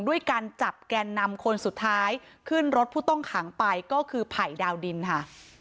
ด้วยการจับแกนนำคนสุดท้ายขึ้นรถผู้ต้องขังไปก็คือไผ่ดาวดินค่ะ